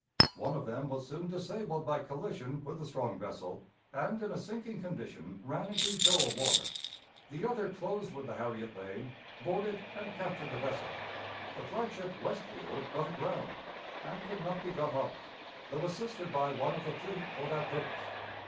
One of them was soon disabled by collision with the strong vessel, and in a sinking condition ran into shoal water. The other closed with the Harriet Lane, boarded and captured the vessel. The flag ship Westfield got aground and could not be got off, though assisted by one of the fleet for that purpose.